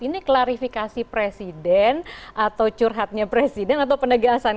ini klarifikasi presiden atau curhatnya presiden atau penegasan